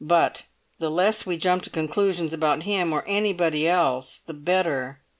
But the less we jump to conclusions about him—or anybody else—the better."